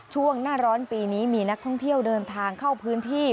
ช่วงหน้าร้อนปีนี้มีนักท่องเที่ยวเดินทางเข้าพื้นที่